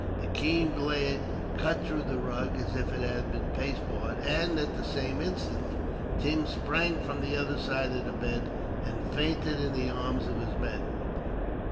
The keen blade cut through the rug, as if it had been pasteboard; and, at the same instant, Tim sprang from the other side of the bed, and fainted in the arms of the men.